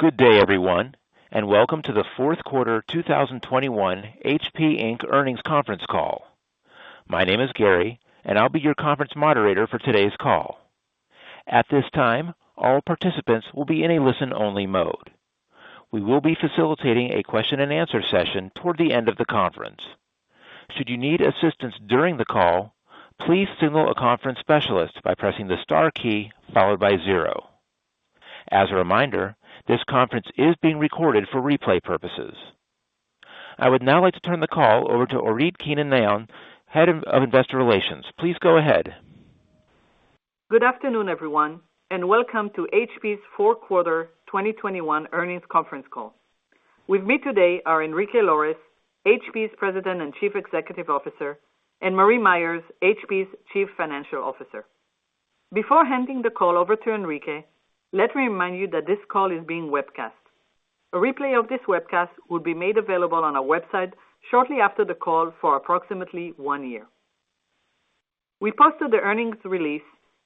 Good day, everyone, and welcome to the fourth quarter 2021 HP Inc. earnings conference call. My name is Gary and I'll be your conference moderator for today's call. At this time, all participants will be in a listen-only mode. We will be facilitating a question and answer session toward the end of the conference. Should you need assistance during the call, please signal a conference specialist by pressing the star key followed by zero. As a reminder, this conference is being recorded for replay purposes. I would now like to turn the call over to Orit Keinan-Nahon, Head of Investor Relations. Please go ahead. Good afternoon, everyone, and welcome to HP's fourth quarter 2021 earnings conference call. With me today are Enrique Lores, HP's President and Chief Executive Officer, and Marie Myers, HP's Chief Financial Officer. Before handing the call over to Enrique, let me remind you that this call is being webcast. A replay of this webcast will be made available on our website shortly after the call for approximately one year. We posted the earnings release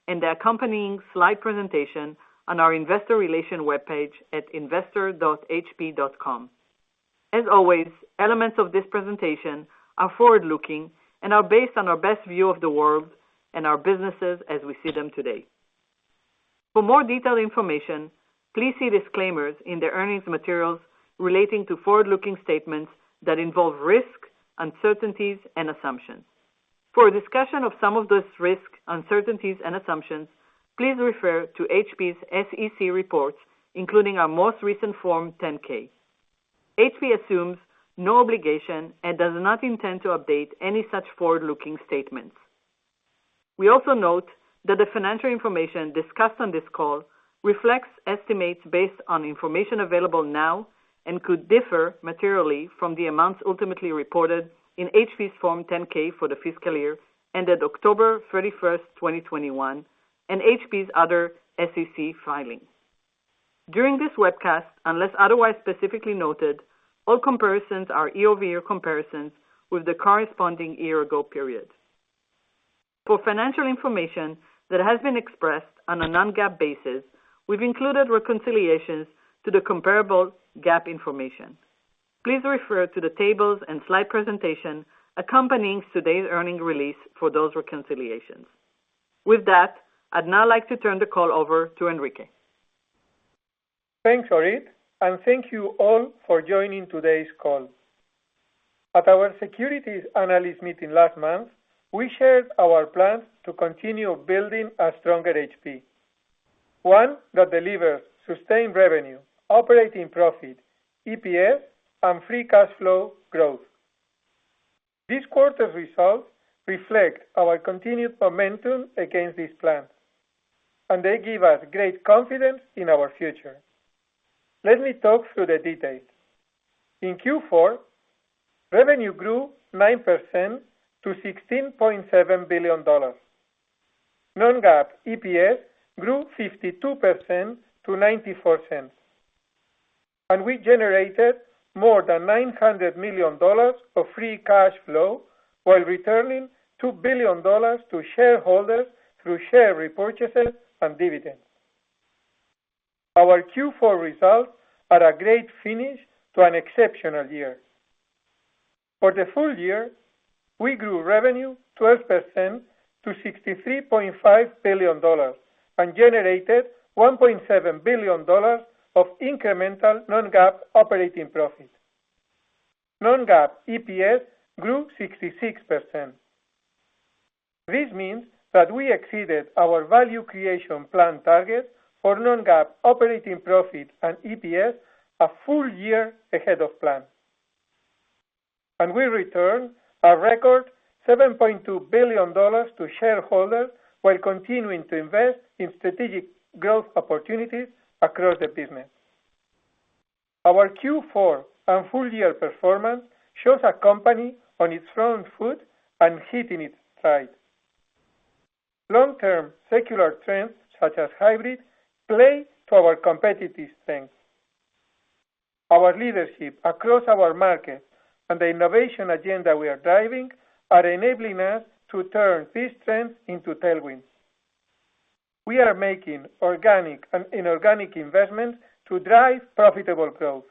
and the accompanying slide presentation on our investor relation webpage at investor.hp.com. As always, elements of this presentation are forward-looking and are based on our best view of the world and our businesses as we see them today. For more detailed information, please see disclaimers in the earnings materials relating to forward-looking statements that involve risks, uncertainties, and assumptions. For a discussion of some of these risks, uncertainties, and assumptions, please refer to HP's SEC reports, including our most recent Form 10-K. HP assumes no obligation and does not intend to update any such forward-looking statements. We also note that the financial information discussed on this call reflects estimates based on information available now and could differ materially from the amounts ultimately reported in HP's Form 10-K for the fiscal year ended October 31st, 2021, and HP's other SEC filings. During this webcast, unless otherwise specifically noted, all comparisons are year-over-year comparisons with the corresponding year ago period. For financial information that has been expressed on a non-GAAP basis, we've included reconciliations to the comparable GAAP information. Please refer to the tables and slide presentation accompanying today's earnings release for those reconciliations. With that, I'd now like to turn the call over to Enrique. Thanks, Orit, and thank you all for joining today's call. At our securities analyst meeting last month, we shared our plans to continue building a stronger HP. One that delivers sustained revenue, operating profit, EPS, and free cash flow growth. This quarter's results reflect our continued momentum against this plan, and they give us great confidence in our future. Let me talk through the details. In Q4, revenue grew 9% to $16.7 billion. Non-GAAP EPS grew 52% to $0.94. We generated more than $900 million of free cash flow while returning $2 billion to shareholders through share repurchases and dividends. Our Q4 results are a great finish to an exceptional year. For the full year, we grew revenue 12% to $63.5 billion and generated $1.7 billion of incremental non-GAAP operating profit. Non-GAAP EPS grew 66%. This means that we exceeded our value creation plan target for non-GAAP operating profit and EPS a full year ahead of plan. We returned a record $7.2 billion to shareholders while continuing to invest in strategic growth opportunities across the business. Our Q4 and full year performance shows a company on its own feet and hitting its stride. Long-term secular trends, such as hybrid, play to our competitive strength. Our leadership across our markets and the innovation agenda we are driving are enabling us to turn these trends into tailwinds. We are making organic and inorganic investments to drive profitable growth.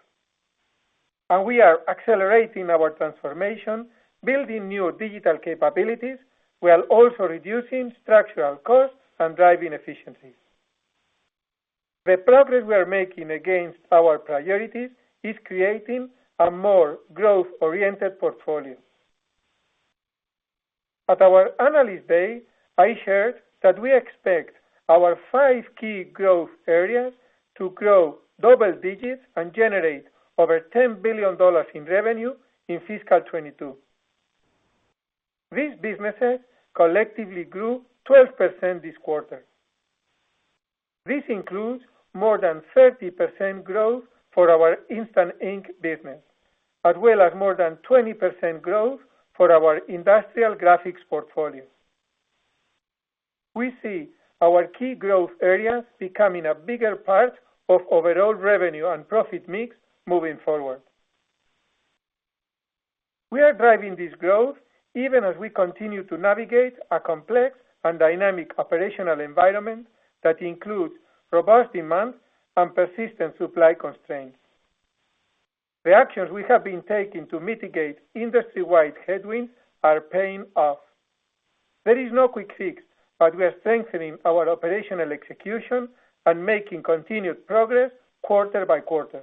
We are accelerating our transformation, building new digital capabilities, while also reducing structural costs and driving efficiency. The progress we are making against our priorities is creating a more growth-oriented portfolio. At our Analyst Day, I shared that we expect our five key growth areas to grow double digits and generate over $10 billion in revenue in fiscal 2022. These businesses collectively grew 12% this quarter. This includes more than 30% growth for our Instant Ink business, as well as more than 20% growth for our industrial graphics portfolio. We see our key growth areas becoming a bigger part of overall revenue and profit mix moving forward. We are driving this growth even as we continue to navigate a complex and dynamic operational environment that includes robust demand and persistent supply constraints. The actions we have been taking to mitigate industry-wide headwinds are paying off. There is no quick fix, but we are strengthening our operational execution and making continued progress quarter by quarter.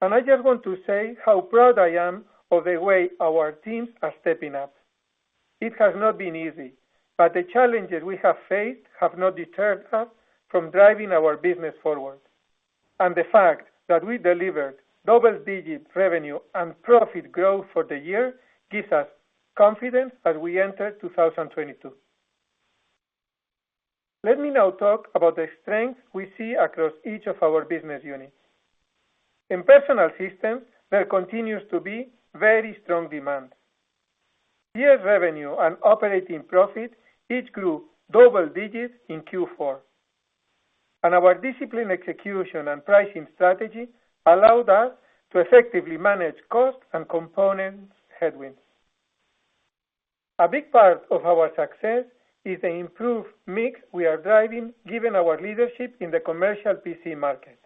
I just want to say how proud I am of the way our teams are stepping up. It has not been easy, but the challenges we have faced have not deterred us from driving our business forward. The fact that we delivered double digits revenue and profit growth for the year gives us confidence as we enter 2022. Let me now talk about the strength we see across each of our business units. In Personal Systems, there continues to be very strong demand. Here revenue and operating profit each grew double digits in Q4. Our disciplined execution and pricing strategy allowed us to effectively manage costs and component headwinds. A big part of our success is the improved mix we are driving, given our leadership in the commercial PC market.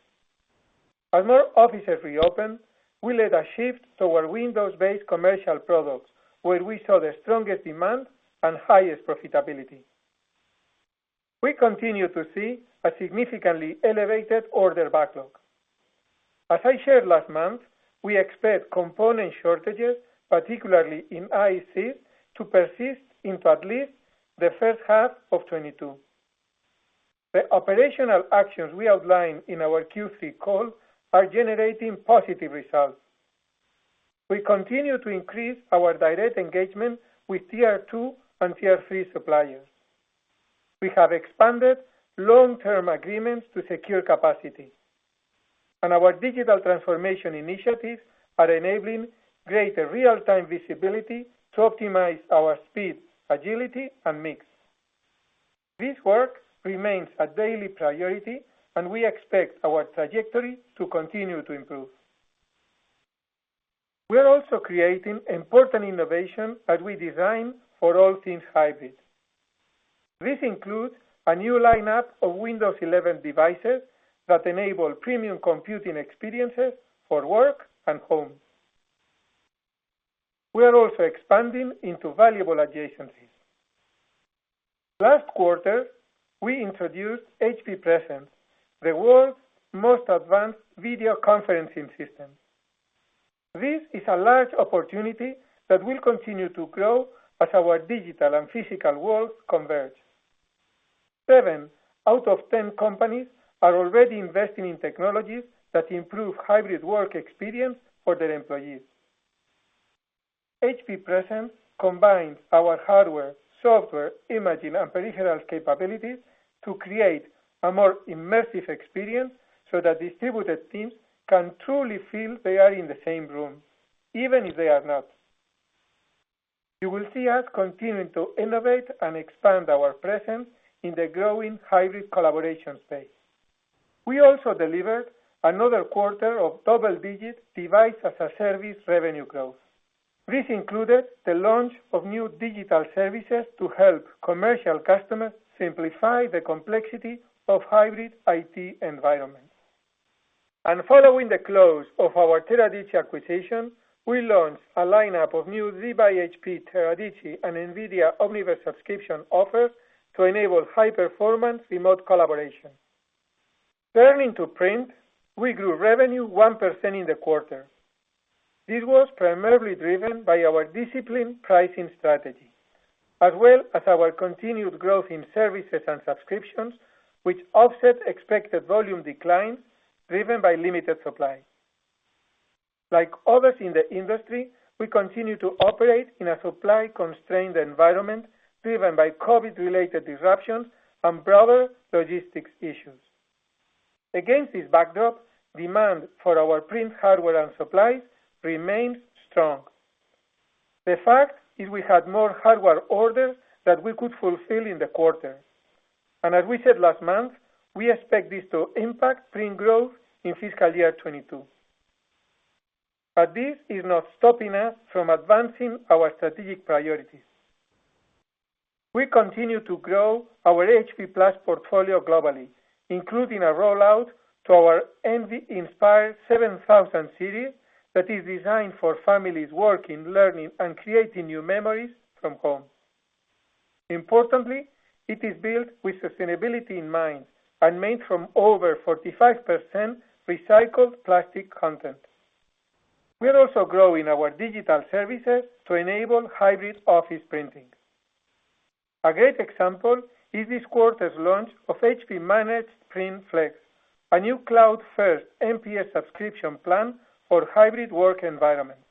As more offices reopen, we led a shift toward Windows-based commercial products, where we saw the strongest demand and highest profitability. We continue to see a significantly elevated order backlog. As I shared last month, we expect component shortages, particularly in IC, to persist into at least the first half of 2022. The operational actions we outlined in our Q3 call are generating positive results. We continue to increase our direct engagement with tier two and tier three suppliers. We have expanded long-term agreements to secure capacity. Our digital transformation initiatives are enabling greater real-time visibility to optimize our speed, agility, and mix. This work remains a daily priority, and we expect our trajectory to continue to improve. We're also creating important innovation as we design for all things hybrid. This includes a new lineup of Windows 11 devices that enable premium computing experiences for work and home. We are also expanding into valuable adjacencies. Last quarter, we introduced HP Presence, the world's most advanced video conferencing system. This is a large opportunity that will continue to grow as our digital and physical world converge. Seven out of ten companies are already investing in technologies that improve hybrid work experience for their employees. HP Presence combines our hardware, software, imaging, and peripheral capabilities to create a more immersive experience so that distributed teams can truly feel they are in the same room, even if they are not. You will see us continuing to innovate and expand our presence in the growing hybrid collaboration space. We also delivered another quarter of double-digit device as a service revenue growth. This included the launch of new digital services to help commercial customers simplify the complexity of hybrid IT environments. Following the close of our Teradici acquisition, we launched a lineup of new Z by HP Teradici and NVIDIA Omniverse subscription offers to enable high-performance remote collaboration. Turning to print, we grew revenue 1% in the quarter. This was primarily driven by our disciplined pricing strategy, as well as our continued growth in services and subscriptions, which offset expected volume declines driven by limited supply. Like others in the industry, we continue to operate in a supply-constrained environment driven by COVID-related disruptions and broader logistics issues. Against this backdrop, demand for our print hardware and supply remained strong. The fact is we had more hardware orders than we could fulfill in the quarter. As we said last month, we expect this to impact print growth in fiscal year 2022. This is not stopping us from advancing our strategic priorities. We continue to grow our HP+ portfolio globally, including a rollout to our HP ENVY Inspire 7000 series that is designed for families working, learning, and creating new memories from home. Importantly, it is built with sustainability in mind and made from over 45% recycled plastic content. We are also growing our digital services to enable hybrid office printing. A great example is this quarter's launch of HP Managed Print Flex, a new cloud-first MPS subscription plan for hybrid work environments.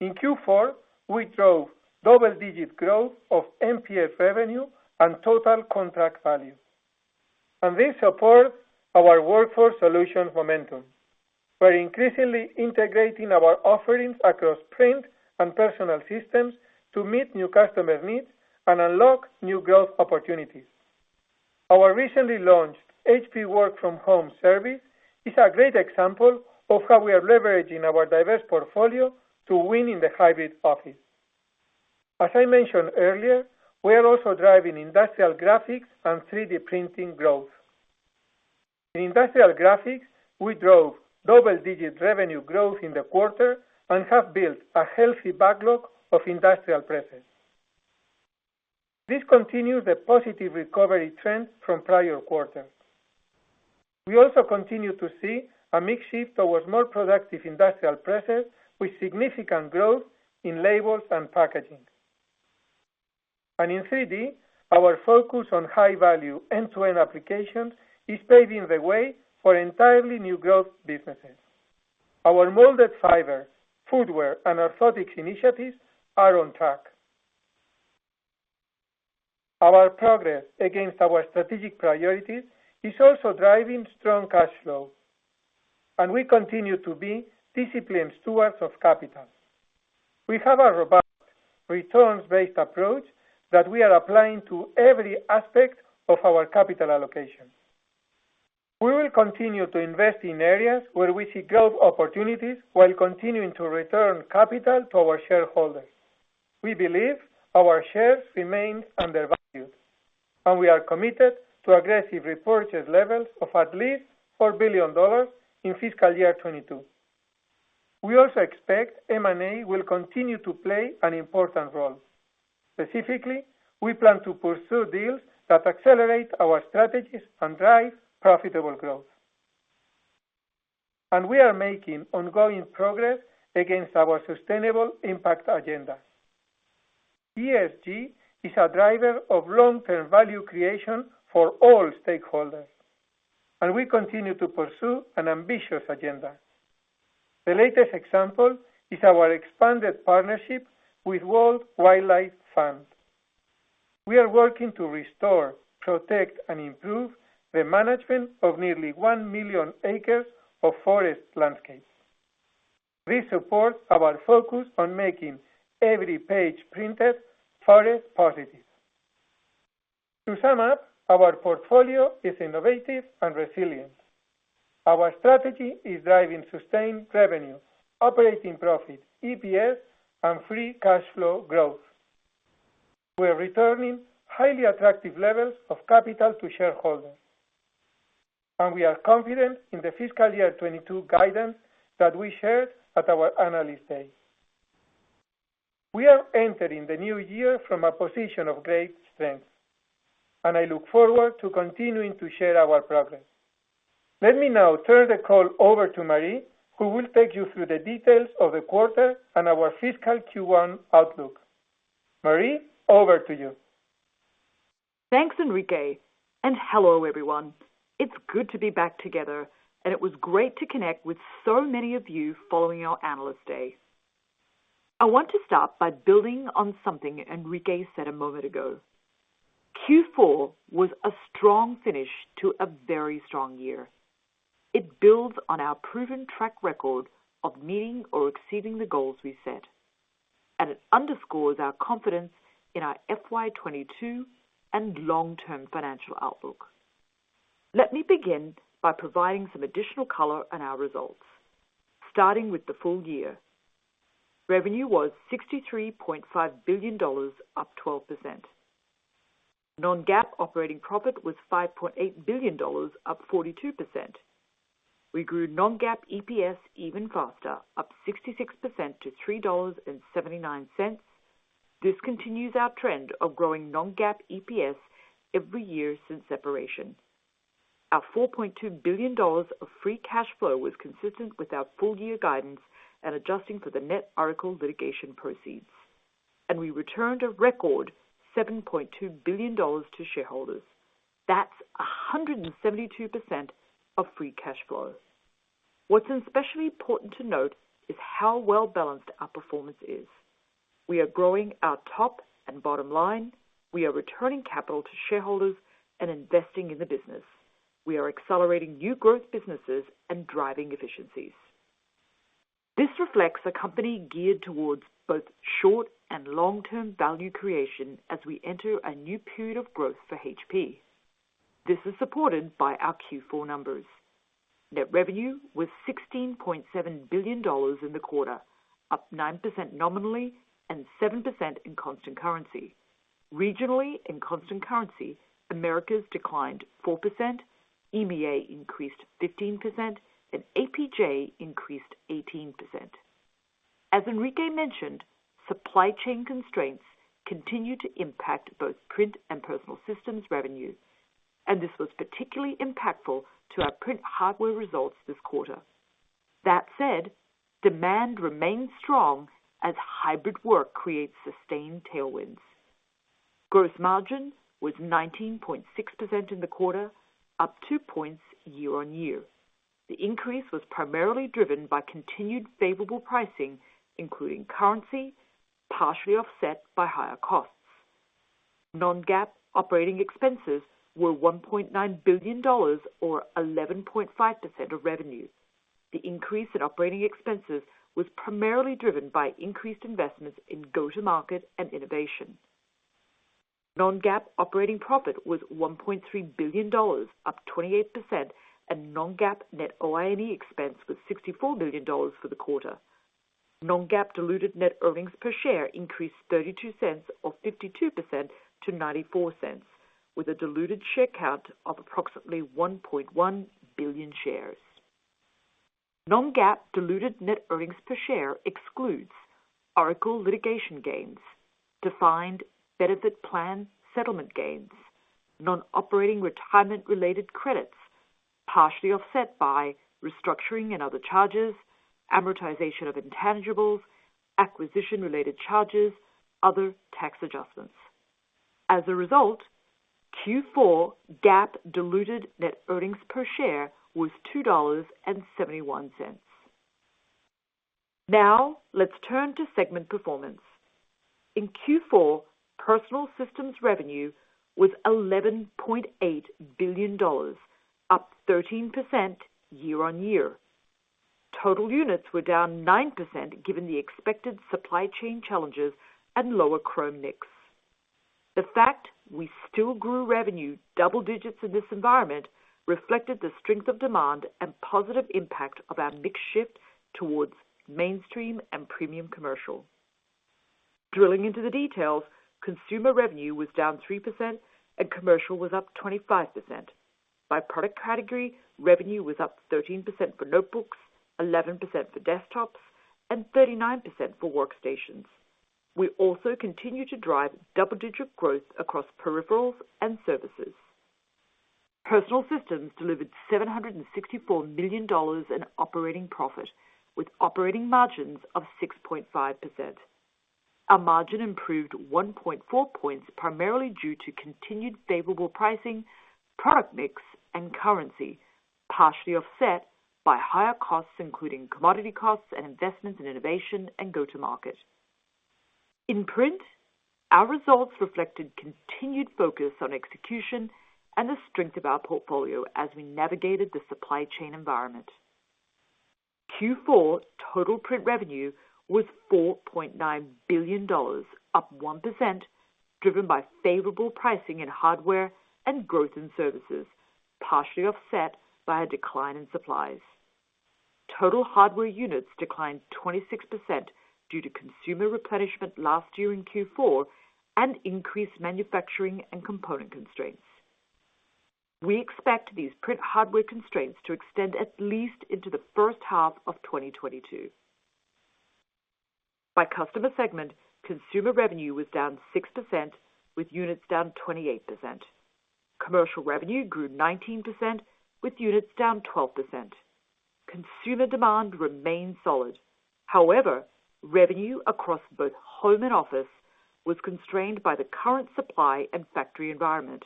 In Q4, we drove double-digit growth of MPS revenue and total contract value. This supports our workforce solutions momentum. We're increasingly integrating our offerings across print and personal systems to meet new customers' needs and unlock new growth opportunities. Our recently launched HP Work From Home service is a great example of how we are leveraging our diverse portfolio to win in the hybrid office. As I mentioned earlier, we are also driving industrial graphics and 3D printing growth. In industrial graphics, we drove double-digit revenue growth in the quarter and have built a healthy backlog of industrial presses. This continues the positive recovery trend from prior quarters. We also continue to see a mix shift towards more productive industrial presses with significant growth in labels and packaging. In 3D, our focus on high-value end-to-end applications is paving the way for entirely new growth businesses. Our molded fiber, footwear, and orthotics initiatives are on track. Our progress against our strategic priorities is also driving strong cash flow, and we continue to be disciplined stewards of capital. We have a robust returns-based approach that we are applying to every aspect of our capital allocation. We will continue to invest in areas where we see growth opportunities while continuing to return capital to our shareholders. We believe our shares remain undervalued, and we are committed to aggressive repurchase levels of at least $4 billion in fiscal year 2022. We also expect M&A will continue to play an important role. Specifically, we plan to pursue deals that accelerate our strategies and drive profitable growth. We are making ongoing progress against our sustainable impact agenda. ESG is a driver of long-term value creation for all stakeholders, and we continue to pursue an ambitious agenda. The latest example is our expanded partnership with World Wildlife Fund. We are working to restore, protect, and improve the management of nearly one million acres of forest landscape. This supports our focus on making every page printed forest positive. To sum up, our portfolio is innovative and resilient. Our strategy is driving sustained revenue, operating profit, EPS, and free cash flow growth. We're returning highly attractive levels of capital to shareholders. We are confident in the fiscal year 2022 guidance that we shared at our Analyst Day. We are entering the new year from a position of great strength, and I look forward to continuing to share our progress. Let me now turn the call over to Marie, who will take you through the details of the quarter and our fiscal Q1 outlook. Marie, over to you. Thanks, Enrique, and hello, everyone. It's good to be back together, and it was great to connect with so many of you following our Analyst Day. I want to start by building on something Enrique said a moment ago. Q4 was a strong finish to a very strong year. It builds on our proven track record of meeting or exceeding the goals we set. It underscores our confidence in our FY 2022 and long-term financial outlook. Let me begin by providing some additional color on our results, starting with the full year. Revenue was $63.5 billion, up 12%. Non-GAAP operating profit was $5.8 billion, up 42%. We grew non-GAAP EPS even faster, up 66% to $3.79. This continues our trend of growing non-GAAP EPS every year since separation. Our $4.2 billion of free cash flow was consistent with our full year guidance and adjusting for the net Oracle litigation proceeds. We returned a record $7.2 billion to shareholders. That's 172% of free cash flow. What's especially important to note is how well-balanced our performance is. We are growing our top and bottom line. We are returning capital to shareholders and investing in the business. We are accelerating new growth businesses and driving efficiencies. This reflects a company geared towards both short and long-term value creation as we enter a new period of growth for HP. This is supported by our Q4 numbers. Net revenue was $16.7 billion in the quarter, up 9% nominally and 7% in constant currency. Regionally, in constant currency, Americas declined 4%, EMEA increased 15%, and APJ increased 18%. As Enrique mentioned, supply chain constraints continue to impact both print and personal systems revenue, and this was particularly impactful to our print hardware results this quarter. That said, demand remains strong as hybrid work creates sustained tailwinds. Gross margin was 19.6% in the quarter, up two points year on year. The increase was primarily driven by continued favorable pricing, including currency, partially offset by higher costs. Non-GAAP operating expenses were $1.9 billion or 11.5% of revenue. The increase in operating expenses was primarily driven by increased investments in go-to-market and innovation. Non-GAAP operating profit was $1.3 billion, up 28%, and non-GAAP net OIE expense was $64 million for the quarter. non-GAAP diluted net earnings per share increased $0.32, or 52% to $0.94, with a diluted share count of approximately 1.1 billion shares. non-GAAP diluted net earnings per share excludes Oracle litigation gains, defined benefit plan settlement gains, non-operating retirement related credits, partially offset by restructuring and other charges, amortization of intangibles, acquisition-related charges, other tax adjustments. As a result, Q4 GAAP diluted net earnings per share was $2.71. Now let's turn to segment performance. In Q4, Personal Systems revenue was $11.8 billion, up 13% year-on-year. Total units were down 9%, given the expected supply chain challenges and lower Chrome mix. The fact we still grew revenue double digits in this environment reflected the strength of demand and positive impact of our mix shift towards mainstream and premium commercial. Drilling into the details, consumer revenue was down 3% and commercial was up 25%. By product category, revenue was up 13% for notebooks, 11% for desktops, and 39% for workstations. We also continued to drive double-digit growth across peripherals and services. Personal Systems delivered $764 million in operating profit with operating margins of 6.5%. Our margin improved 1.4 points primarily due to continued favorable pricing, product mix, and currency, partially offset by higher costs, including commodity costs and investments in innovation and go-to market. In Print, our results reflected continued focus on execution and the strength of our portfolio as we navigated the supply chain environment. Q4 total print revenue was $4.9 billion, up 1%, driven by favorable pricing in hardware and growth in services, partially offset by a decline in supplies. Total hardware units declined 26% due to consumer replenishment last year in Q4 and increased manufacturing and component constraints. We expect these print hardware constraints to extend at least into the first half of 2022. By customer segment, consumer revenue was down 6% with units down 28%. Commercial revenue grew 19%, with units down 12%. Consumer demand remained solid. However, revenue across both home and office was constrained by the current supply and factory environment.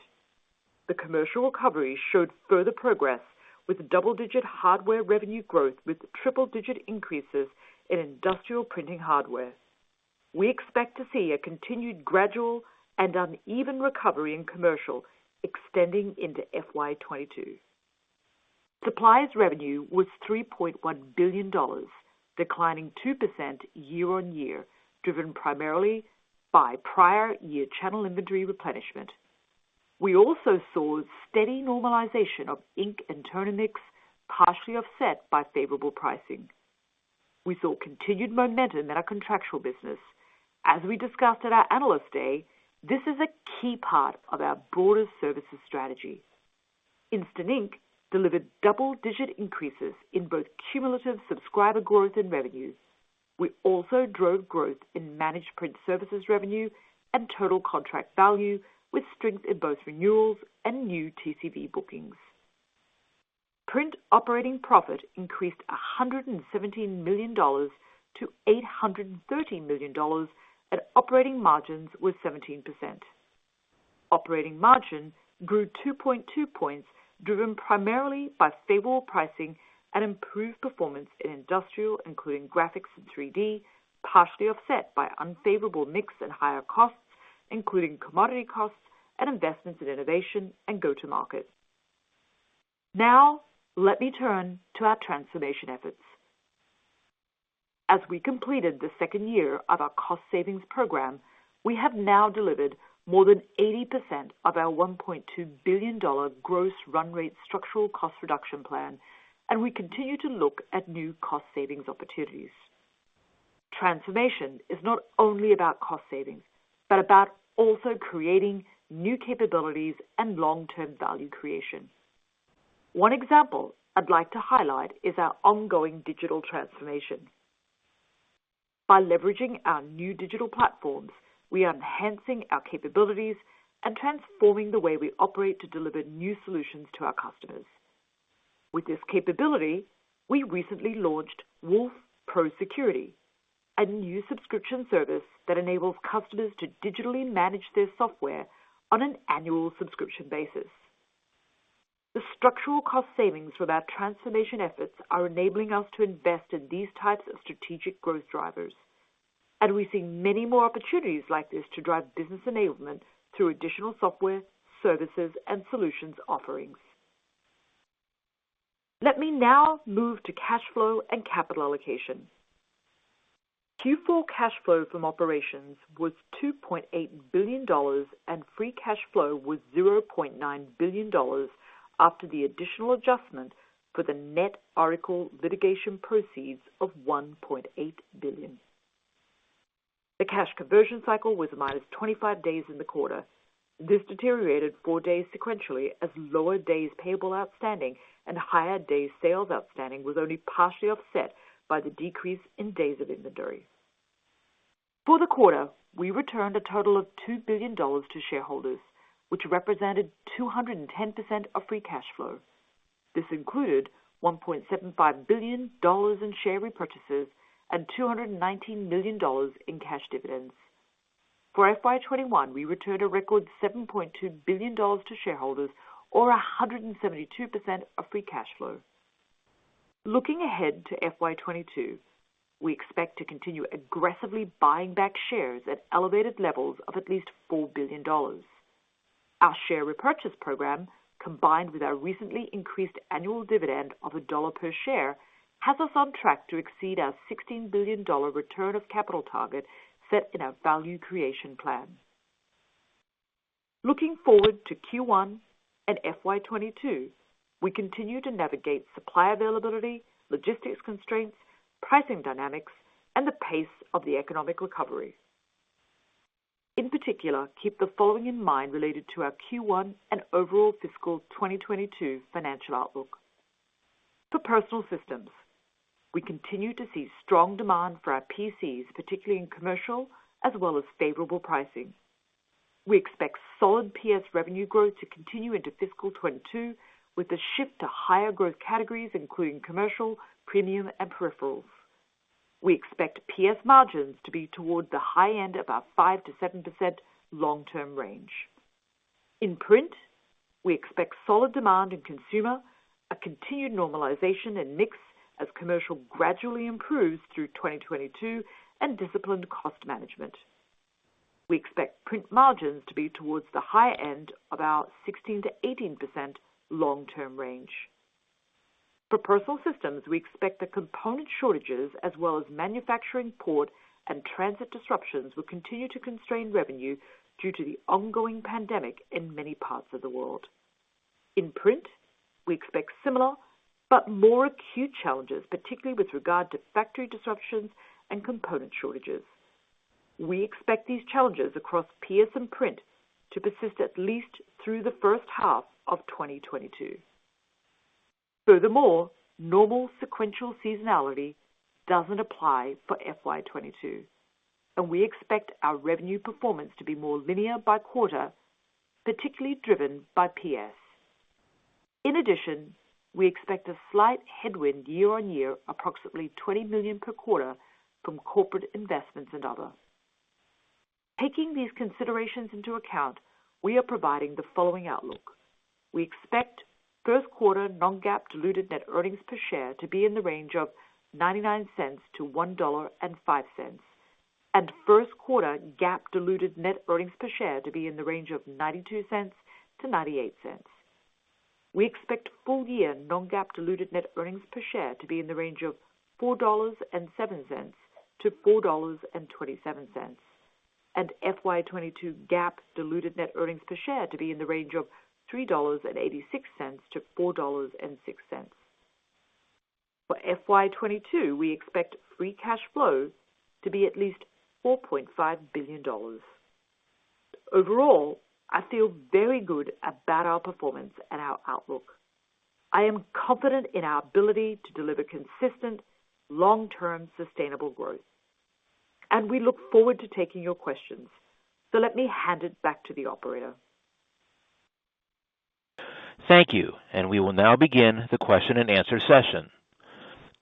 The commercial recovery showed further progress with double-digit hardware revenue growth with triple-digit increases in industrial printing hardware. We expect to see a continued gradual and uneven recovery in commercial extending into FY 2022. Supplies revenue was $3.1 billion, declining 2% year-on-year, driven primarily by prior year channel inventory replenishment. We also saw steady normalization of ink and toner mix, partially offset by favorable pricing. We saw continued momentum in our contractual business. As we discussed at our Analyst Day, this is a key part of our broader services strategy. Instant Ink delivered double-digit increases in both cumulative subscriber growth and revenues. We also drove growth in managed print services revenue and total contract value with strength in both renewals and new TCV bookings. Print operating profit increased $117 million to $813 million, and operating margins was 17%. Operating margin grew 2.2 points, driven primarily by stable pricing and improved performance in industrial, including graphics and 3D, partially offset by unfavorable mix and higher costs, including commodity costs and investments in innovation and go to market. Now let me turn to our transformation efforts. As we completed the second year of our cost savings program, we have now delivered more than 80% of our $1.2 billion gross run rate structural cost reduction plan and we continue to look at new cost savings opportunities. Transformation is not only about cost savings, but about also creating new capabilities and long-term value creation. One example I'd like to highlight is our ongoing digital transformation. By leveraging our new digital platforms, we are enhancing our capabilities and transforming the way we operate to deliver new solutions to our customers. With this capability, we recently launched HP Wolf Pro Security, a new subscription service that enables customers to digitally manage their software on an annual subscription basis. The structural cost savings for our transformation efforts are enabling us to invest in these types of strategic growth drivers. We see many more opportunities like this to drive business enablement through additional software, services, and solutions offerings. Let me now move to cash flow and capital allocation. Q4 cash flow from operations was $2.8 billion, and free cash flow was $0.9 billion after the additional adjustment for the net Oracle litigation proceeds of $1.8 billion. The cash conversion cycle was -25 days in the quarter. This deteriorated four days sequentially as lower days payable outstanding and higher days sales outstanding was only partially offset by the decrease in days of inventory. For the quarter, we returned a total of $2 billion to shareholders, which represented 210% of free cash flow. This included $1.75 billion in share repurchases and $219 million in cash dividends. For FY 2021, we returned a record $7.2 billion to shareholders or 172% of free cash flow. Looking ahead to FY 2022, we expect to continue aggressively buying back shares at elevated levels of at least $4 billion. Our share repurchase program, combined with our recently increased annual dividend of $1 per share, has us on track to exceed our $16 billion return of capital target set in our value creation plan. Looking forward to Q1 and FY 2022, we continue to navigate supply availability, logistics constraints, pricing dynamics, and the pace of the economic recovery. In particular, keep the following in mind related to our Q1 and overall fiscal 2022 financial outlook. For Personal Systems, we continue to see strong demand for our PCs, particularly in commercial as well as favorable pricing. We expect solid PS revenue growth to continue into fiscal 2022 with the shift to higher growth categories, including commercial, premium and peripherals. We expect PS margins to be towards the high end of our 5%-7% long-term range. In Print, we expect solid demand in consumer, a continued normalization in mix as commercial gradually improves through 2022, and disciplined cost management. We expect Print margins to be towards the high end of our 16%-18% long-term range. For Personal Systems, we expect the component shortages as well as manufacturing port and transit disruptions will continue to constrain revenue due to the ongoing pandemic in many parts of the world. In Print, we expect similar but more acute challenges, particularly with regard to factory disruptions and component shortages. We expect these challenges across PS and Print to persist at least through the first half of 2022. Furthermore, normal sequential seasonality doesn't apply for FY 2022, and we expect our revenue performance to be more linear by quarter, particularly driven by PS. In addition, we expect a slight headwind year-on-year, approximately $20 million per quarter from corporate investments and other. Taking these considerations into account, we are providing the following outlook. We expect first quarter non-GAAP diluted net earnings per share to be in the range of $0.99-$1.05, and first quarter GAAP diluted net earnings per share to be in the range of $0.92-$0.98. We expect full-year non-GAAP diluted net earnings per share to be in the range of $4.07-$4.27, and FY 2022 GAAP diluted net earnings per share to be in the range of $3.86-$4.06. For FY 2022, we expect free cash flow to be at least $4.5 billion. Overall, I feel very good about our performance and our outlook. I am confident in our ability to deliver consistent, long-term sustainable growth. We look forward to taking your questions. Let me hand it back to the operator. Thank you. We will now begin the question-and-answer session.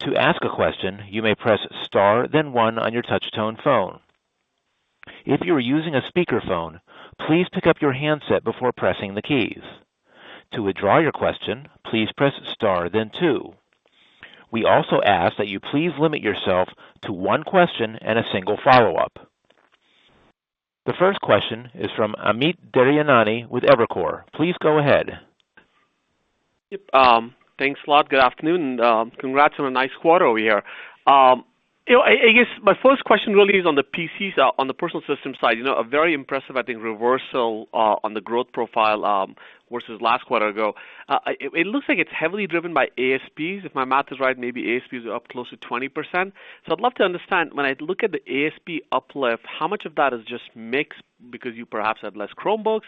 To ask a question, you may press Star, then one on your touch tone phone. If you are using a speakerphone, please pick up your handset before pressing the keys. To withdraw your question, please press Star then two. We also ask that you please limit yourself to one question and a single follow-up. The first question is from Amit Daryanani with Evercore. Please go ahead. Yep, thanks a lot. Good afternoon. Congrats on a nice quarter over here. You know, I guess my first question really is on the PCs, on the Personal Systems side, you know, a very impressive, I think, reversal on the growth profile versus last quarter ago. It looks like it's heavily driven by ASPs. If my math is right, maybe ASPs are up close to 20%. I'd love to understand, when I look at the ASP uplift, how much of that is just mix because you perhaps have less Chromebooks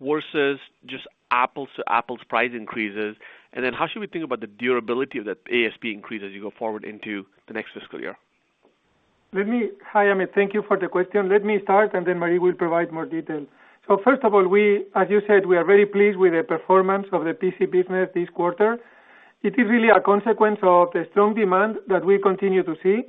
versus just apples to apples price increases. Then how should we think about the durability of that ASP increase as you go forward into the next fiscal year? Hi, Amit. Thank you for the question. Let me start, and then Marie will provide more detail. First of all, as you said, we are very pleased with the performance of the PC business this quarter. It is really a consequence of the strong demand that we continue to see,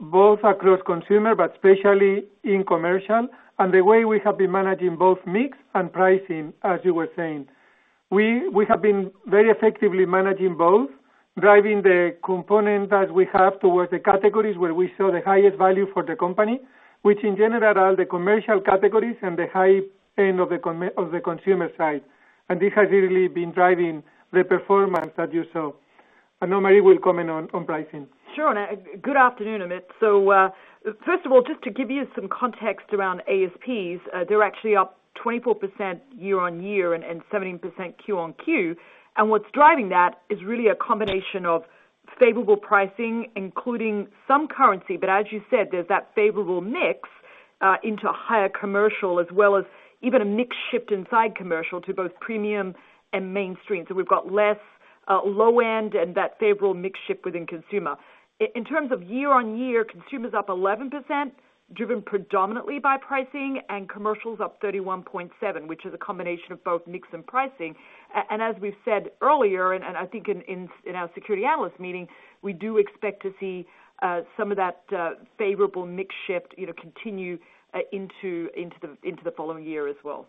both across consumer, but especially in commercial, and the way we have been managing both mix and pricing, as you were saying. We have been very effectively managing both, driving the component that we have towards the categories where we see the highest value for the company, which in general are the commercial categories and the high end of the consumer side. This has really been driving the performance that you saw. Now Marie will comment on pricing. Sure. Good afternoon, Amit. First of all, just to give you some context around ASPs, they're actually up 24% year-on-year and 17% QoQ. What's driving that is really a combination of favorable pricing, including some currency, but as you said, there's that favorable mix into higher commercial as well as even a mix shift inside commercial to both premium and mainstream. We've got less low end and that favorable mix shift within consumer. In terms of year-on-year, consumer's up 11%, driven predominantly by pricing, and commercial's up 31.7%, which is a combination of both mix and pricing. As we've said earlier, I think in our securities analyst meeting, we do expect to see some of that favorable mix shift, you know, continue into the following year as well.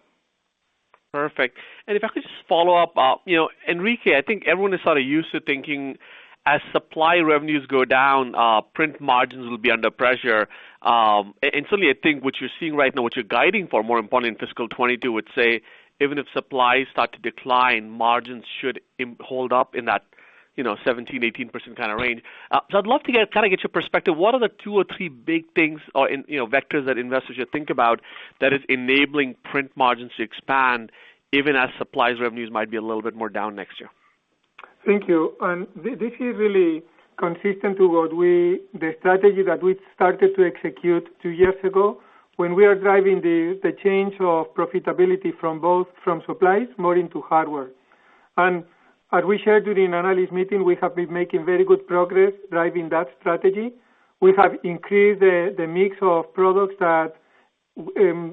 Perfect. If I could just follow up. You know, Enrique, I think everyone is sort of used to thinking as supply revenues go down, print margins will be under pressure. And certainly I think what you're seeing right now, what you're guiding for more importantly in fiscal 2022 would say, even if supplies start to decline, margins should hold up in that, you know, 17%-18% kind of range. I'd love to kind of get your perspective. What are the two or three big things or, you know, vectors that investors should think about that is enabling print margins to expand even as supplies revenues might be a little bit more down next year? Thank you. This is really consistent to what we, the strategy that we started to execute two years ago when we are driving the change of profitability from supplies more into hardware. As we shared during analyst meeting, we have been making very good progress driving that strategy. We have increased the mix of products that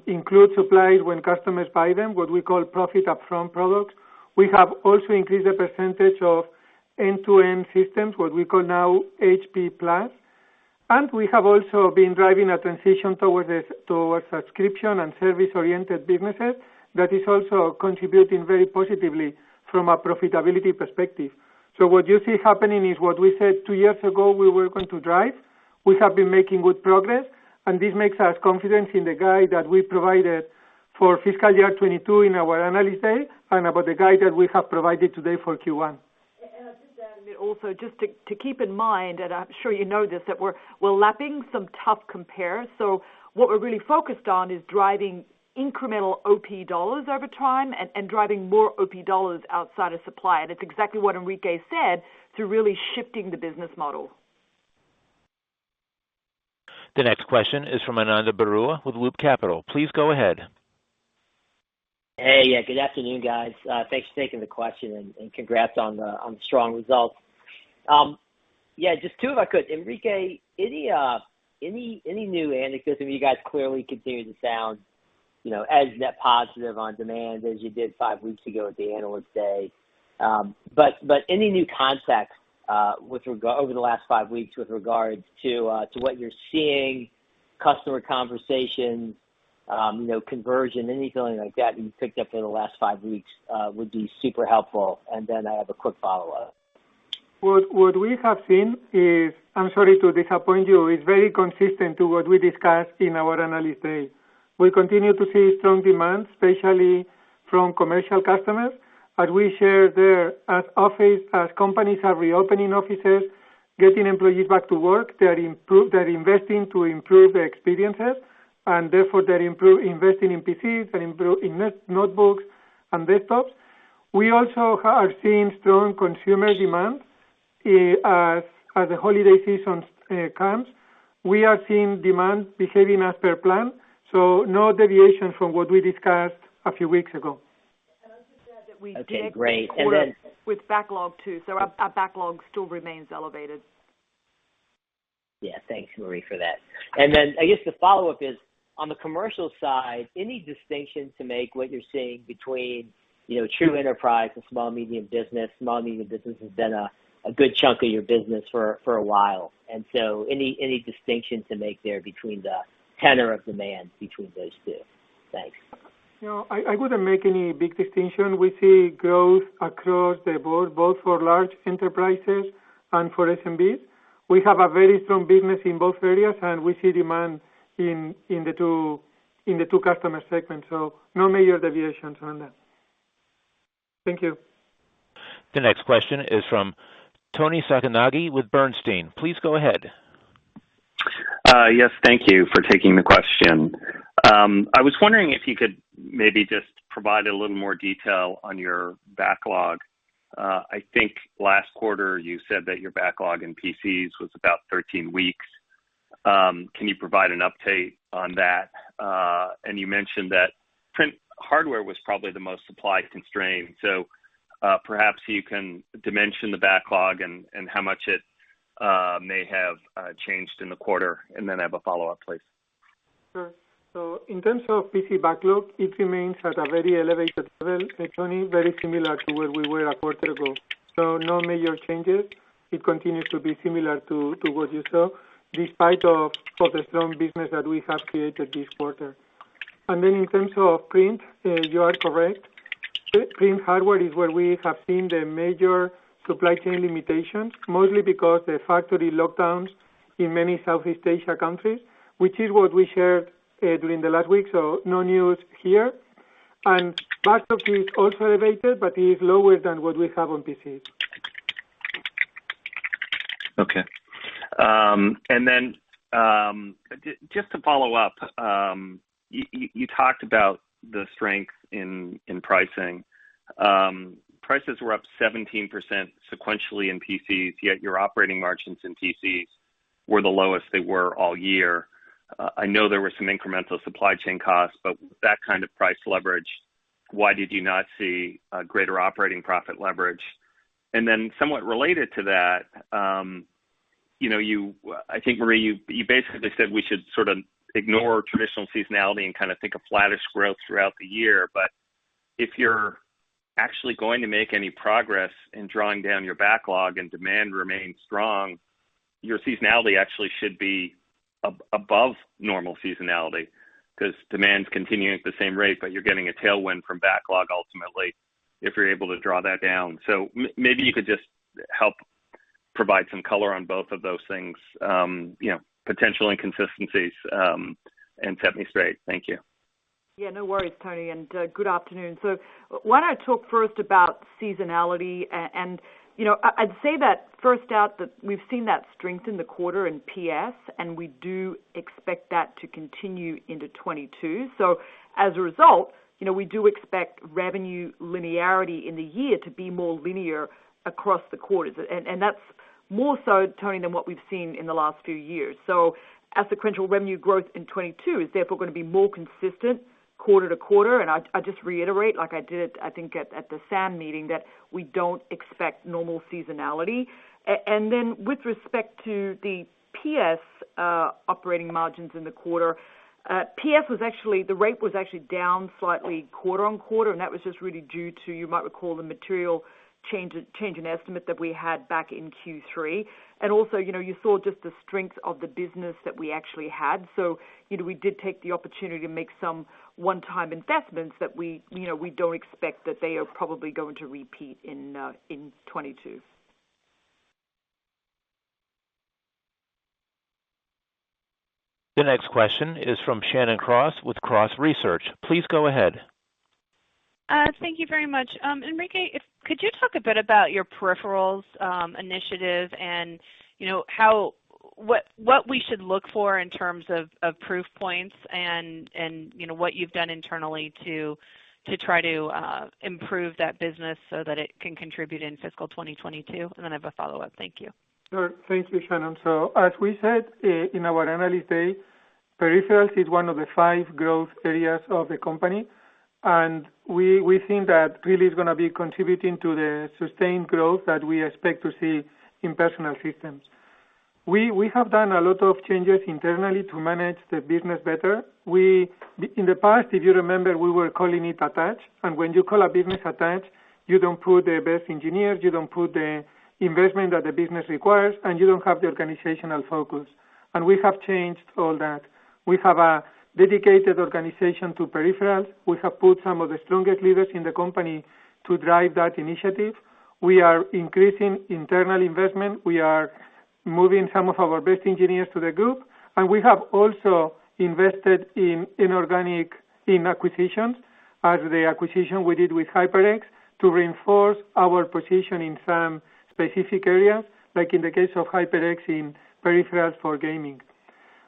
include supplies when customers buy them, what we call profit upfront products. We have also increased the percentage of end-to-end systems, what we call now HP+. We have also been driving a transition towards subscription and service-oriented businesses that is also contributing very positively from a profitability perspective. What you see happening is what we said two years ago we were going to drive. We have been making good progress, and this makes us confident in the guide that we provided for fiscal year 2022 in our Analyst Day and about the guide that we have provided today for Q1. I'll just add a bit also just to keep in mind, and I'm sure you know this, that we're lapping some tough compares. What we're really focused on is driving incremental OP dollars over time and driving more OP dollars outside of supply. It's exactly what Enrique said, through really shifting the business model. The next question is from Ananda Baruah with Loop Capital. Please go ahead. Hey. Yeah, good afternoon, guys. Thanks for taking the question and congrats on the strong results. Yeah, just two if I could. Enrique, any new anecdotes? I mean, you guys clearly continue to sound, you know, as net positive on demand as you did five weeks ago at the analyst day. But any new context with regard over the last five weeks with regards to what you're seeing, customer conversations, you know, conversion, anything like that you picked up in the last five weeks would be super helpful. And then I have a quick follow-up. What we have seen is, I'm sorry to disappoint you, is very consistent to what we discussed in our analyst day. We continue to see strong demand, especially from commercial customers. As we shared there, as companies are reopening offices, getting employees back to work, they're investing to improve the experiences, and therefore they're investing in PCs and improving in notebooks and desktops. We also have seen strong consumer demand, as the holiday season comes. We are seeing demand behaving as per plan, so no deviations from what we discussed a few weeks ago. I'll just add that we did end the quarter. Okay, great. with backlog too. Our backlog still remains elevated. Yeah. Thanks, Marie, for that. I guess the follow-up is on the commercial side, any distinction to make what you're seeing between, you know, true enterprise and small, medium business? Small, medium business has been a good chunk of your business for a while. Any distinction to make there between the tenor of demand between those two? Thanks. No, I wouldn't make any big distinction. We see growth across the board, both for large enterprises and for SMBs. We have a very strong business in both areas, and we see demand in the two customer segments. No major deviations on that. Thank you. The next question is from Toni Sacconaghi with Bernstein. Please go ahead. Yes. Thank you for taking the question. I was wondering if you could maybe just provide a little more detail on your backlog. I think last quarter you said that your backlog in PCs was about 13 weeks. Can you provide an update on that? You mentioned that print hardware was probably the most supply constrained, so perhaps you can dimension the backlog and how much it may have changed in the quarter. Then I have a follow up, please. Sure. In terms of PC backlog, it remains at a very elevated level, Tony, very similar to where we were a quarter ago, so no major changes. It continues to be similar to what you saw despite of the strong business that we have created this quarter. In terms of print, you are correct. Print hardware is where we have seen the major supply chain limitations, mostly because the factory lockdowns in many Southeast Asia countries, which is what we shared during the last week. No news here. Laptop is also elevated, but is lower than what we have on PCs. Okay. Just to follow up, you talked about the strength in pricing. Prices were up 17% sequentially in PCs, yet your operating margins in PCs were the lowest they were all year. I know there were some incremental supply chain costs, but that kind of price leverage, why did you not see a greater operating profit leverage? Somewhat related to that, you know, you basically said we should sort of ignore traditional seasonality and kind of think of flattish growth throughout the year. If you're actually going to make any progress in drawing down your backlog and demand remains strong, your seasonality actually should be above normal seasonality, 'cause demand's continuing at the same rate, but you're getting a tailwind from backlog ultimately, if you're able to draw that down. Maybe you could just help provide some color on both of those things, you know, potential inconsistencies, and set me straight. Thank you. Yeah, no worries, Tony, good afternoon. Why don't I talk first about seasonality? You know, I'd say first off that we've seen that strength in the quarter in PS, and we do expect that to continue into 2022. As a result, you know, we do expect revenue linearity in the year to be more linear across the quarters. That's more so the norm than what we've seen in the last few years. Our sequential revenue growth in 2022 is therefore gonna be more consistent quarter to quarter. I just reiterate, like I did, I think at the SAM meeting, that we don't expect normal seasonality. With respect to the PS operating margins in the quarter, PS was actually the rate was actually down slightly quarter-over-quarter, and that was just really due to, you might recall the material change in estimate that we had back in Q3. You know, you saw just the strength of the business that we actually had. You know, we did take the opportunity to make some one-time investments that we, you know, we don't expect that they are probably going to repeat in 2022. The next question is from Shannon Cross with Cross Research. Please go ahead. Thank you very much. Enrique, if you could talk a bit about your peripherals initiative and, you know, how what we should look for in terms of of proof points and and, you know, what you've done internally to try to improve that business so that it can contribute in fiscal 2022? I have a follow-up. Thank you. Sure. Thank you, Shannon. As we said in our Analyst Day, peripherals is one of the five growth areas of the company, and we think that really it's gonna be contributing to the sustained growth that we expect to see in Personal Systems. We have done a lot of changes internally to manage the business better. We, in the past, if you remember, were calling it attach, and when you call a business attach, you don't put the best engineers, you don't put the investment that the business requires, and you don't have the organizational focus. We have changed all that. We have a dedicated organization to peripherals. We have put some of the strongest leaders in the company to drive that initiative. We are increasing internal investment. We are moving some of our best engineers to the group, and we have also invested in inorganic, in acquisitions, as the acquisition we did with HyperX, to reinforce our position in some specific areas, like in the case of HyperX in peripherals for gaming.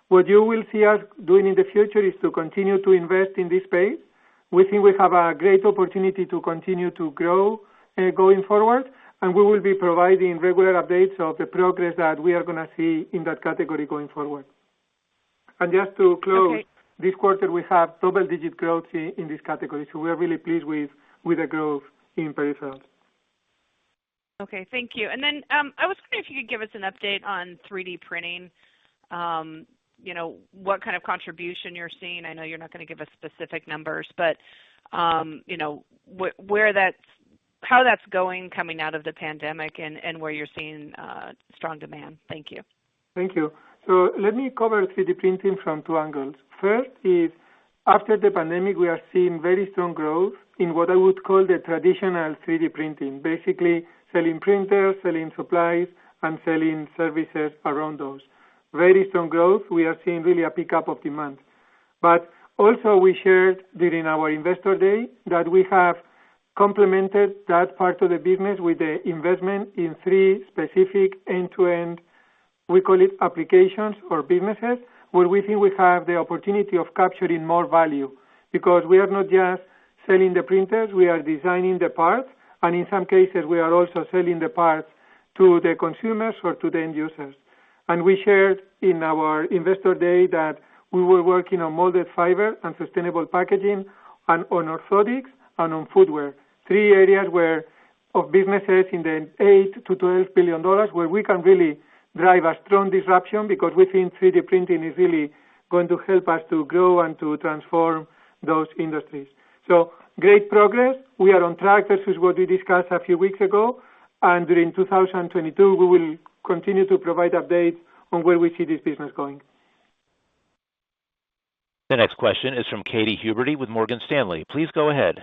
What you will see us doing in the future is to continue to invest in this space. We think we have a great opportunity to continue to grow, going forward, and we will be providing regular updates of the progress that we are gonna see in that category going forward. Just to close. Okay. This quarter, we have double digit growth in this category, so we are really pleased with the growth in peripherals. Okay. Thank you. I was wondering if you could give us an update on 3D printing. You know, what kind of contribution you're seeing. I know you're not gonna give us specific numbers, but you know, where that's how that's going, coming out of the pandemic and where you're seeing strong demand. Thank you. Thank you. Let me cover 3D printing from two angles. First, after the pandemic, we are seeing very strong growth in what I would call the traditional 3D printing. Basically selling printers, selling supplies, and selling services around those. Very strong growth. We are seeing really a pickup of demand. Also we shared during our Investor Day that we have complemented that part of the business with the investment in three specific end-to-end, we call it applications or businesses, where we think we have the opportunity of capturing more value because we are not just selling the printers, we are designing the parts, and in some cases, we are also selling the parts to the consumers or to the end users. We shared in our Investor Day that we were working on molded fiber and sustainable packaging and on orthotics and on footwear. Three areas worth of businesses in the $8 billion-$12 billion, where we can really drive a strong disruption because we think 3D printing is really going to help us to grow and to transform those industries. Great progress. We are on track. This is what we discussed a few weeks ago, and during 2022, we will continue to provide updates on where we see this business going. The next question is from Katy Huberty with Morgan Stanley. Please go ahead.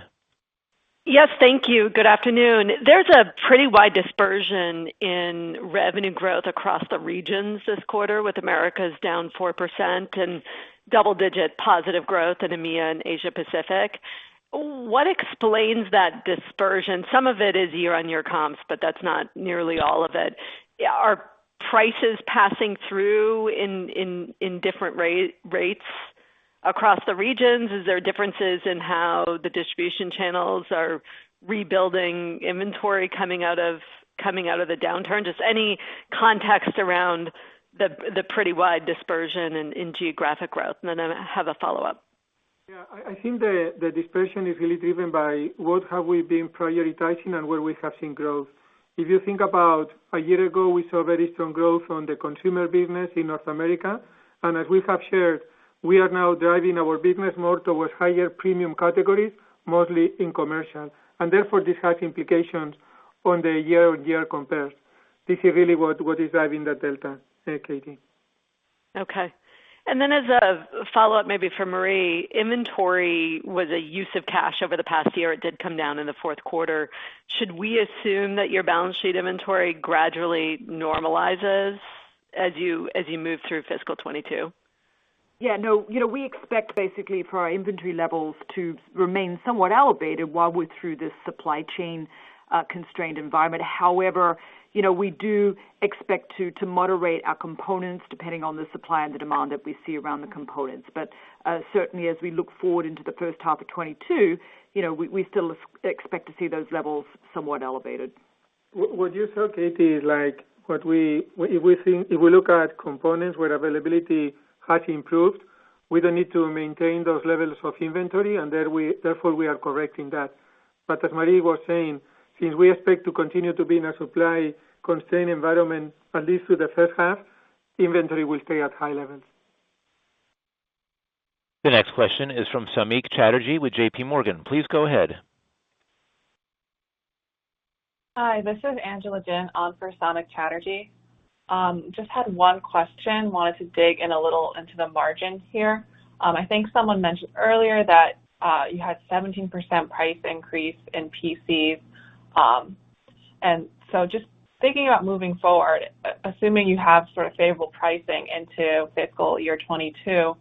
Yes, thank you. Good afternoon. There's a pretty wide dispersion in revenue growth across the regions this quarter, with Americas down 4% and double-digit positive growth in EMEA and Asia Pacific. What explains that dispersion? Some of it is year-on-year comps, but that's not nearly all of it. Are prices passing through in different rates across the regions? Is there differences in how the distribution channels are rebuilding inventory coming out of the downturn? Just any context around the pretty wide dispersion in geographic growth. Then I have a follow-up. Yeah. I think the dispersion is really driven by what we have been prioritizing and where we have seen growth. If you think about a year ago, we saw very strong growth on the consumer business in North America. As we have shared, we are now driving our business more towards higher premium categories, mostly in commercial. Therefore, this has implications on the year-on-year compare. This is really what is driving that delta, Katy. Okay. As a follow-up, maybe for Marie, inventory was a use of cash over the past year. It did come down in the fourth quarter. Should we assume that your balance sheet inventory gradually normalizes as you move through fiscal 2022? Yeah. No. You know, we expect basically for our inventory levels to remain somewhat elevated while we're through this supply chain constrained environment. However, you know, we do expect to moderate our components depending on the supply and the demand that we see around the components. Certainly as we look forward into the first half of 2022, you know, we still expect to see those levels somewhat elevated. What you said, Katy, is like what we, if we look at components where availability has improved, we don't need to maintain those levels of inventory, and then therefore we are correcting that. As Marie was saying, since we expect to continue to be in a supply constrained environment, at least through the first half, inventory will stay at high levels. The next question is from Samik Chatterjee with J.P. Morgan. Please go ahead. Hi, this is Angela Jin on for Samik Chatterjee. Just had one question. Wanted to dig in a little into the margins here. I think someone mentioned earlier that, you had 17% price increase in PCs. Just thinking about moving forward, assuming you have sort of favorable pricing into fiscal year 2022,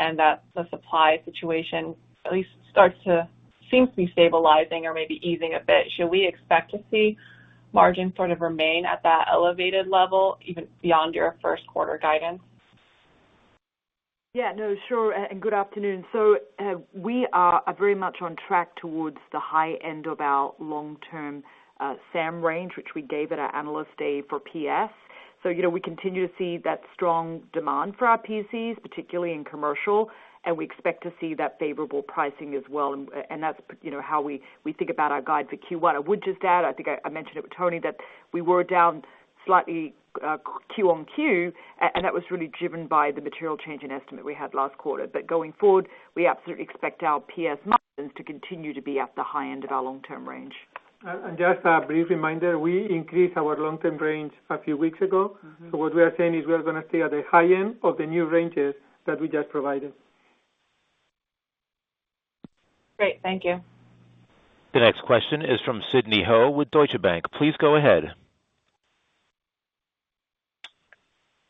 and that the supply situation at least starts to seem to be stabilizing or maybe easing a bit, should we expect to see margins sort of remain at that elevated level even beyond your first quarter guidance? Yeah. No, sure. Good afternoon. We are very much on track towards the high end of our long-term SAM range, which we gave at our Analyst Day for PS. You know, we continue to see that strong demand for our PCs, particularly in commercial, and we expect to see that favorable pricing as well. That's, you know, how we think about our guide for Q1. I would just add, I think I mentioned it with Tony, that we were down slightly, Q on Q, and that was really driven by the material change in estimate we had last quarter. Going forward, we absolutely expect our PS margins to continue to be at the high end of our long-term range. Just a brief reminder, we increased our long-term range a few weeks ago. Mm-hmm. What we are saying is we are gonna stay at the high end of the new ranges that we just provided. Great. Thank you. The next question is from Sidney Ho with Deutsche Bank. Please go ahead.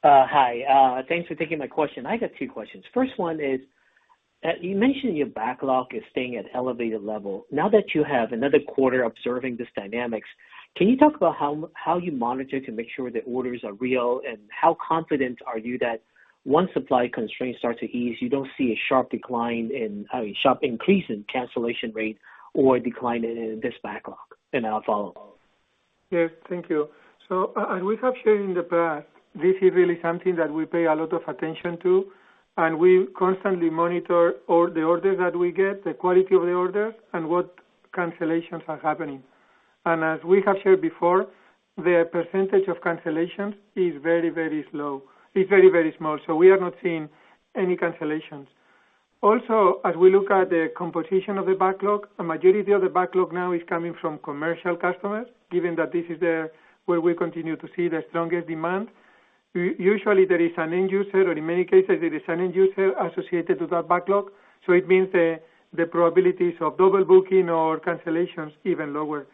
Hi. Thanks for taking my question. I got two questions. First one is, you mentioned your backlog is staying at elevated level. Now that you have another quarter observing these dynamics, can you talk about how you monitor to make sure the orders are real, and how confident are you that once supply constraints start to ease, you don't see a sharp increase in cancellation rate or a decline in this backlog? And I'll follow up. Yes. Thank you. We have shared in the past, this is really something that we pay a lot of attention to, and we constantly monitor all the orders that we get, the quality of the orders and what cancellations are happening. As we have shared before, the percentage of cancellations is very, very low. It's very, very small. We have not seen any cancellations. Also, as we look at the composition of the backlog, a majority of the backlog now is coming from commercial customers, given that this is where we continue to see the strongest demand. Usually there is an end user, or in many cases there is an end user associated with that backlog, so it means the probabilities of double booking or cancellations even lower.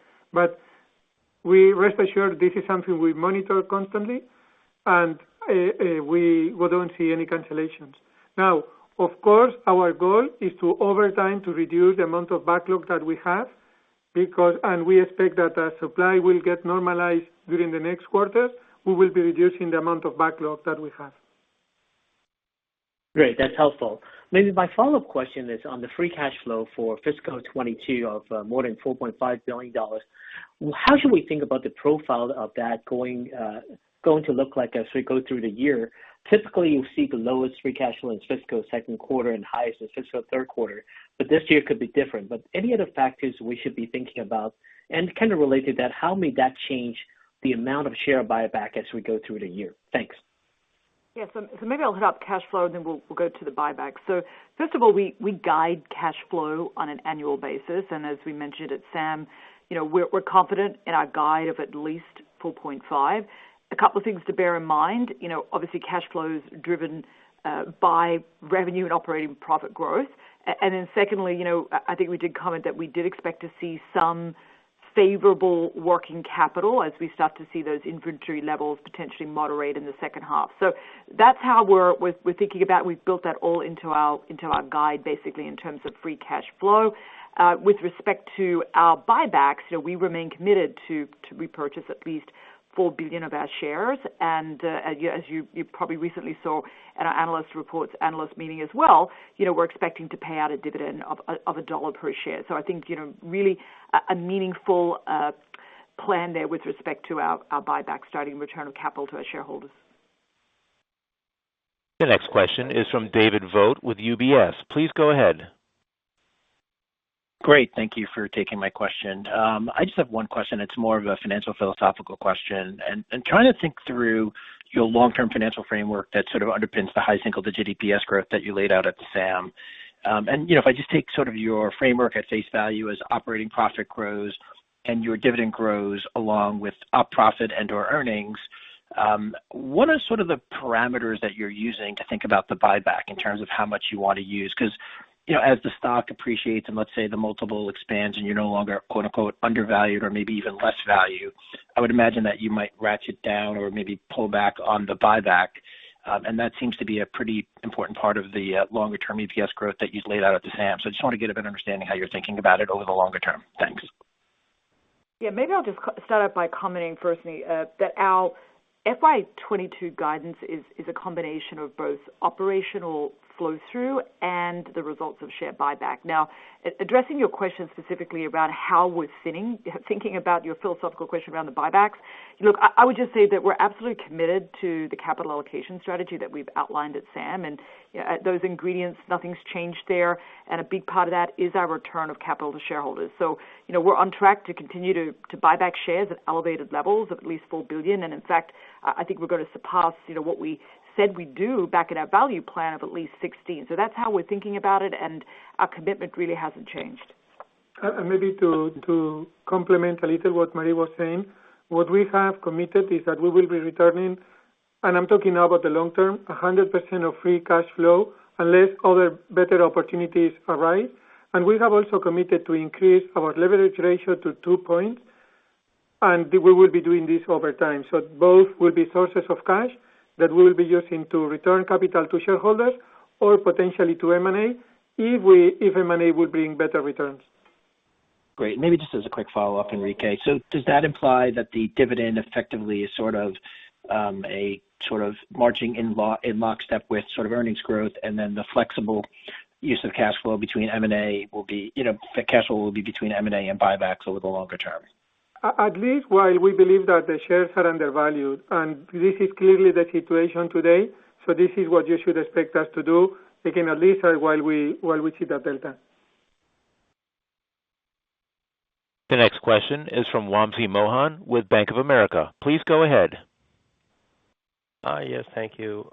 We rest assured this is something we monitor constantly, and we don't see any cancellations. Now, of course, our goal is to, over time, to reduce the amount of backlog that we have because we expect that as supply will get normalized during the next quarter, we will be reducing the amount of backlogs that we have. Great. That's helpful. Maybe my follow-up question is on the free cash flow for fiscal 2022 of more than $4.5 billion. How should we think about the profile of that going to look like as we go through the year? Typically, you see the lowest free cash flow in fiscal second quarter and highest in fiscal third quarter, but this year could be different. Any other factors we should be thinking about? Kind of related to that, how may that change the amount of share buyback as we go through the year? Thanks. Yes. Maybe I'll hit up cash flow, and then we'll go to the buyback. First of all, we guide cash flow on an annual basis, and as we mentioned at SAM, you know, we're confident in our guide of at least $4.5. A couple of things to bear in mind, you know, obviously, cash flow is driven by revenue and operating profit growth. Secondly, you know, I think we did comment that we did expect to see some favorable working capital as we start to see those inventory levels potentially moderate in the second half. That's how we're thinking about. We've built that all into our guide, basically in terms of free cash flow. With respect to our buybacks, you know, we remain committed to repurchase at least four billion of our shares. As you probably recently saw in our analyst reports, analyst meeting as well, you know, we're expecting to pay out a dividend of a dollar per share. I think, you know, really a meaningful plan there with respect to our buyback starting return of capital to our shareholders. The next question is from David Vogt with UBS. Please go ahead. Great. Thank you for taking my question. I just have one question. It's more of a financial philosophical question. Trying to think through your long-term financial framework that sort of underpins the high single-digit EPS growth that you laid out at the SAM. You know, if I just take sort of your framework at face value as operating profit grows and your dividend grows along with operating profit and/or earnings, what are sort of the parameters that you're using to think about the buyback in terms of how much you want to use? Because, you know, as the stock appreciates and let's say the multiple expands and you're no longer quote-unquote, undervalued or maybe even overvalued, I would imagine that you might ratchet down or maybe pull back on the buyback. That seems to be a pretty important part of the longer term EPS growth that you've laid out at the SAM. I just want to get a better understanding how you're thinking about it over the longer term. Thanks. Yeah, maybe I'll just start out by commenting firstly, that our FY 2022 guidance is a combination of both operational flow through and the results of share buyback. Addressing your question specifically around how we're sitting, thinking about your philosophical question around the buybacks. Look, I would just say that we're absolutely committed to the capital allocation strategy that we've outlined at SAM, and you know, those ingredients, nothing's changed there. A big part of that is our return of capital to shareholders. You know, we're on track to continue to buy back shares at elevated levels of at least $4 billion. In fact, I think we're gonna surpass you know, what we said we'd do back in our value plan of at least $16 billion. That's how we're thinking about it, and our commitment really hasn't changed. Maybe to complement a little what Marie was saying, what we have committed is that we will be returning, and I'm talking now about the long term, 100% of free cash flow unless other better opportunities arise. We have also committed to increase our leverage ratio to 2.0, and we will be doing this over time. Both will be sources of cash that we'll be using to return capital to shareholders or potentially to M&A if M&A will bring better returns. Great. Maybe just as a quick follow-up, Enrique. Does that imply that the dividend effectively is sort of a sort of marching in lockstep with sort of earnings growth, and then the flexible use of cash flow between M&A and buybacks over the longer term? At least while we believe that the shares are undervalued, and this is clearly the situation today. This is what you should expect us to do, again, at least, while we see that delta. The next question is from Wamsi Mohan with Bank of America. Please go ahead. Yes, thank you.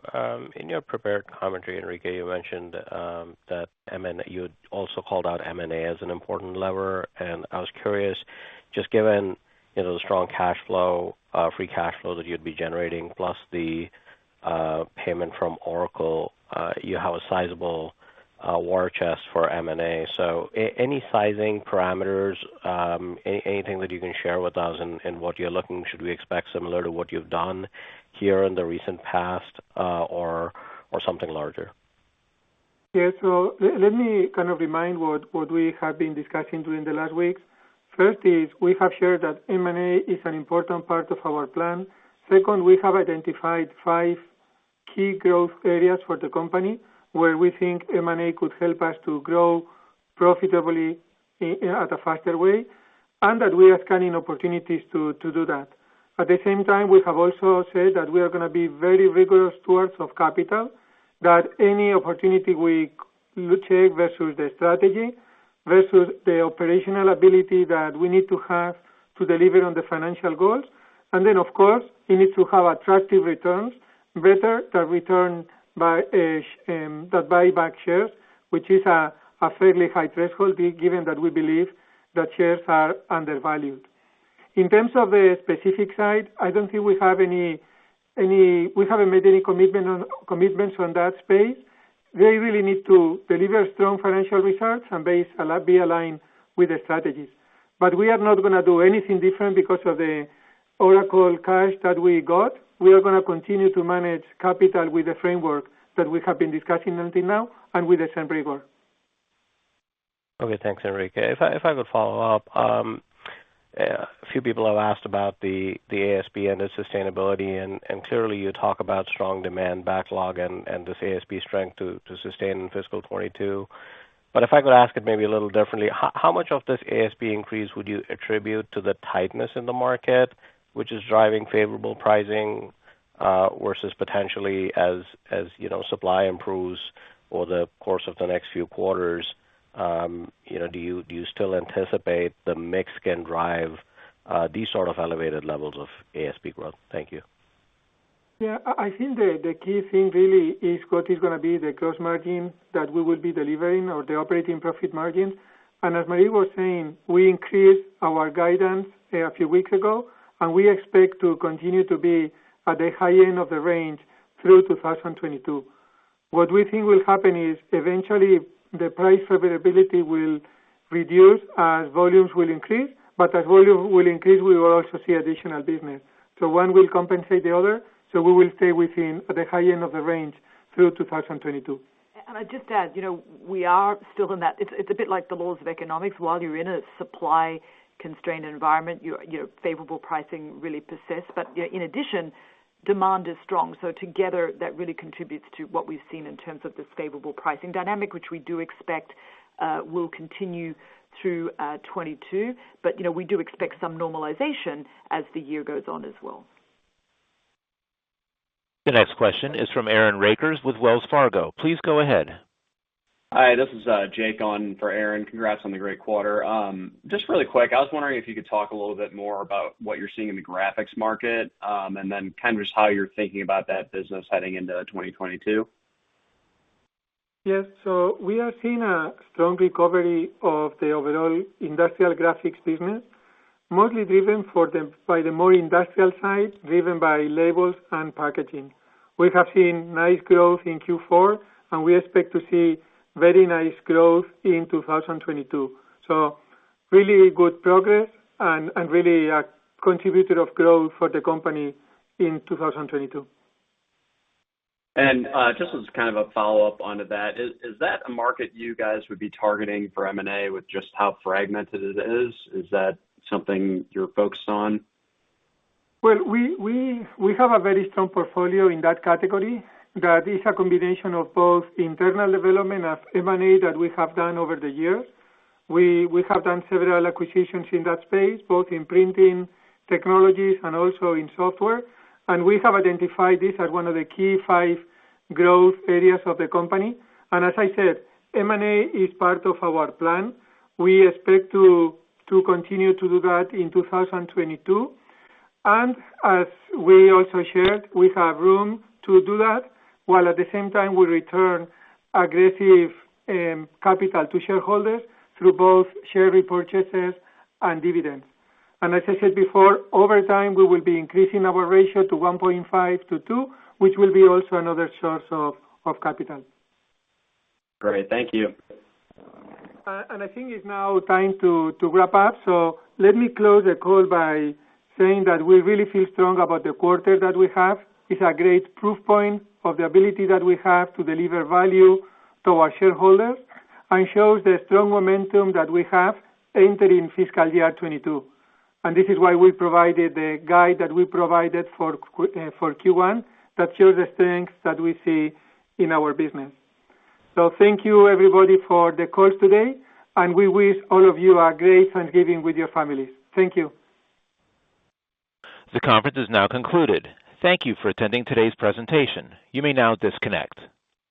In your prepared commentary, Enrique, you mentioned that M&A you also called out M&A as an important lever. I was curious, just given, you know, the strong cash flow, free cash flow that you'd be generating, plus the payment from Oracle, you have a sizable war chest for M&A. Any sizing parameters, anything that you can share with us in what you're looking? Should we expect similar to what you've done here in the recent past, or something larger? Let me kind of remind what we have been discussing during the last weeks. First is we have shared that M&A is an important part of our plan. Second, we have identified five key growth areas for the company, where we think M&A could help us to grow profitably in a faster way, and that we are scanning opportunities to do that. At the same time, we have also said that we are gonna be very rigorous stewards of capital, that any opportunity we look at versus the strategy, versus the operational ability that we need to have to deliver on the financial goals. Of course, we need to have attractive returns, better than the return from share buybacks, which is a fairly high threshold, given that we believe that shares are undervalued. In terms of a specific side, I don't think we have any. We haven't made any commitments on that space. They really need to deliver strong financial results and be aligned with the strategies. We are not gonna do anything different because of the Oracle cash that we got. We are gonna continue to manage capital with the framework that we have been discussing until now and with the same rigor. Okay, thanks, Enrique. If I could follow up. A few people have asked about the ASP and the sustainability, and clearly you talk about strong demand backlog and this ASP strength to sustain fiscal 2022. If I could ask it maybe a little differently, how much of this ASP increase would you attribute to the tightness in the market, which is driving favorable pricing versus potentially as you know, supply improves over the course of the next few quarters? You know, do you still anticipate the mix can drive these sort of elevated levels of ASP growth. Thank you. Yeah. I think the key thing really is what is gonna be the gross margin that we will be delivering or the operating profit margin. As Marie was saying, we increased our guidance a few weeks ago, and we expect to continue to be at the high end of the range through 2022. What we think will happen is eventually the price availability will reduce as volumes will increase, but as volume will increase, we will also see additional business. One will compensate the other, so we will stay within the high end of the range through 2022. I'd just add, you know, we are still in that. It's a bit like the laws of economics. While you're in a supply constrained environment, your favorable pricing really persists. You know, in addition, demand is strong, so together, that really contributes to what we've seen in terms of this favorable pricing dynamic, which we do expect will continue through 2022. You know, we do expect some normalization as the year goes on as well. The next question is from Aaron Rakers with Wells Fargo. Please go ahead. Hi, this is Jake on for Aaron. Congrats on the great quarter. Just really quick, I was wondering if you could talk a little bit more about what you're seeing in the graphics market, and then kind of just how you're thinking about that business heading into 2022. Yes. We are seeing a strong recovery of the overall industrial graphics business, mostly driven by the more industrial side, driven by labels and packaging. We have seen nice growth in Q4, and we expect to see very nice growth in 2022. Really good progress and really a contributor of growth for the company in 2022. Just as kind of a follow-up onto that, is that a market you guys would be targeting for M&A with just how fragmented it is? Is that something you're focused on? Well, we have a very strong portfolio in that category, that is a combination of both internal development and M&A that we have done over the years. We have done several acquisitions in that space, both in printing technologies and also in software. We have identified this as one of the key five growth areas of the company. As I said, M&A is part of our plan. We expect to continue to do that in 2022. As we also shared, we have room to do that, while at the same time we return aggressive capital to shareholders through both share repurchases and dividends. As I said before, over time, we will be increasing our ratio to 1.5-two, which will be also another source of capital. Great. Thank you. I think it's now time to wrap up. Let me close the call by saying that we really feel strong about the quarter that we have. It's a great proof point of the ability that we have to deliver value to our shareholders and shows the strong momentum that we have entering fiscal year 2022. This is why we provided the guide that we provided for Q1 that shows the strength that we see in our business. Thank you everybody for the call today, and we wish all of you a great Thanksgiving with your families. Thank you. The conference is now concluded. Thank you for attending today's presentation. You may now disconnect.